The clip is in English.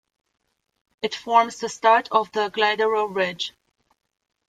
It forms the start of the Glyderau ridge.